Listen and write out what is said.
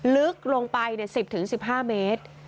ลึกลงไป๑๐๑๕เมตร